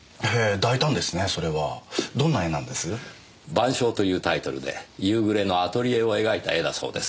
『晩鐘』というタイトルで夕暮れのアトリエを描いた絵だそうです。